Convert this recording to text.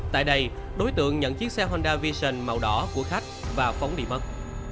tại đây đối tượng nhận chiếc xe honda vision màu đỏ của khách và phóng đi mất